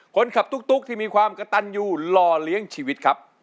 ตุ๊กที่มีความกระตันอยู่รอเลี้ยงชีวิตครับ